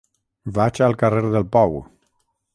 Vaig al carrer del Pou.